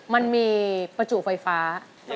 มันมีประจุไฟฟ้า